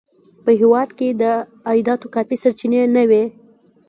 په هېواد کې د عایداتو کافي سرچینې نه وې.